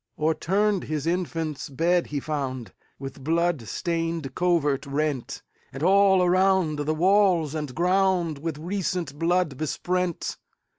O'erturned his infant's bed he found, With blood stained covert rent; And all around the walls and groundWith recent blood besprent.